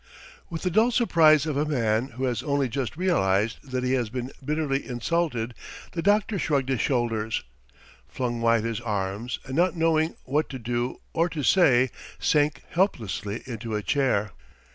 With the dull surprise of a man who has only just realized that he has been bitterly insulted the doctor shrugged his shoulders, flung wide his arms, and not knowing what to do or to say sank helplessly into a chair.